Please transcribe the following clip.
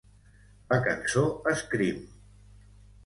La cançó Scream!